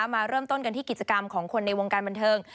มาเริ่มต้นกันที่กิจกรรมของคนในวงการบันเทิง